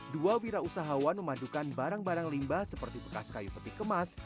dua wira usahawan memadukan barang barang limbah seperti bekas kayu petik kemas